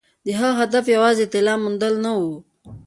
د هغه هدف یوازې د طلا موندل نه وو.